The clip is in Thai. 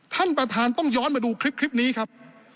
ท่านประธานต้องย้อนมาดูคลิปนี้ครับ